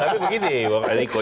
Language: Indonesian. tapi begini wong adiko